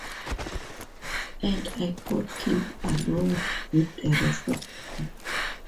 And I got killed along with the rest of them.